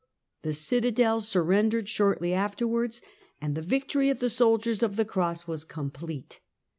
The citadel surrendered shortly afterwards, and ^^^^ the victory of the soldiers of the Cross was complete.